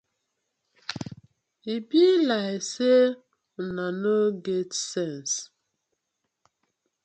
E bi layk say uno no get sence.